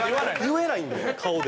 言えないんですよ顔で。